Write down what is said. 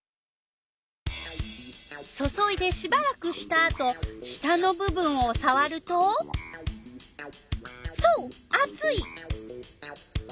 注いでしばらくしたあと下の部分をさわるとそうあつい！